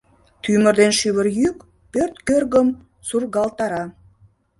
Тӱмыр ден шӱвыр йӱк пӧрт кӧргым сургалтара.